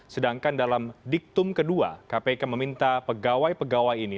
sedangkan dalam diktum kedua kpk meminta pegawai pegawai ini